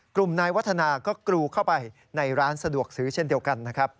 กลุ่มนายวัฒนาก็กรูเข้าไปในร้านสะดวกซื้อเช่นเดียวกันนะครับ